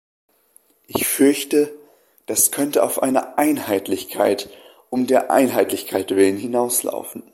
Ich fürchte, das könnte auf eine Einheitlichkeit um der Einheitlichkeit willen hinauslaufen.